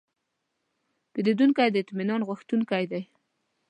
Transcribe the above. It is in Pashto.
پیرودونکی د اطمینان غوښتونکی دی.